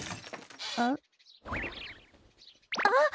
あっ！